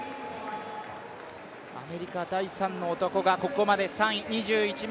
アメリカ第３の男が、ここまで３位。